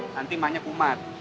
nanti mahnya kumat